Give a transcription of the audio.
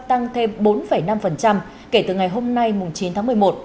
tăng thêm bốn năm kể từ ngày hôm nay chín tháng một mươi một